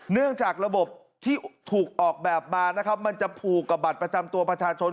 เนื่องจากระบบที่ถูกออกแบบมานะครับมันจะผูกกับบัตรประจำตัวประชาชน